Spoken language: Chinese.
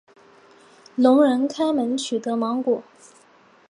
聋人开门取得芒果。